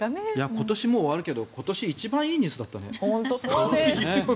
今年もう終わるけど今年一番いいニュースだったよね。